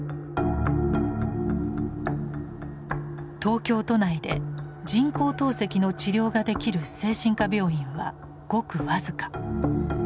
東京都内で人工透析の治療ができる精神科病院はごく僅か。